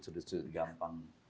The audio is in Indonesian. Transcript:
sudah sulit gampang